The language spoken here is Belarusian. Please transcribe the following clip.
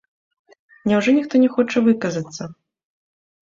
Няўжо ніхто не хоча выказацца?